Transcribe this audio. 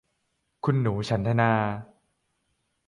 คุณหนูฉันทนา